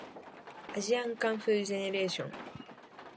リライトして